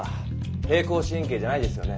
平行四辺形じゃないですよね。